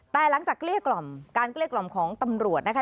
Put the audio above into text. แต่หลังจากเกลี้ยกล่อมการเกลี้ยกล่อมของตำรวจนะคะ